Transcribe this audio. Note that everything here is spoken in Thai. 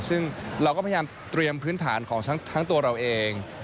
ซึ่งเราก็พยายามเตรียมพื้นฐานของทั้งตัวเราเอง